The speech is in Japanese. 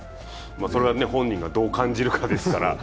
それは本人がどう感じるかですから。